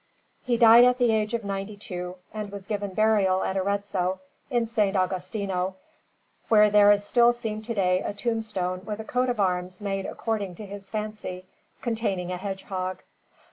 He died at the age of ninety two, and was given burial at Arezzo in S. Agostino, where there is still seen to day a tombstone with a coat of arms made according to his fancy, containing a hedgehog.